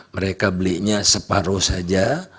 mereka belinya separuh saja